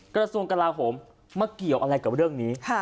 กระทรวงกลาโหมมาเกี่ยวอะไรกับเรื่องนี้